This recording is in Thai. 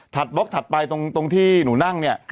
บล็อกถัดไปตรงที่หนูนั่งเนี่ย